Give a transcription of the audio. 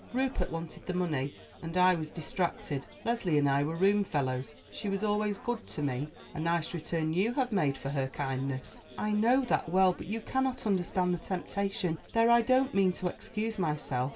Rupert wanted the money, and I was distracted. Leslie and I were roomfellows; she was always good to me." "A nice return you have made for her kindness." "I know that well; but you cannot understand the temptation. There, I don't mean to excuse myself.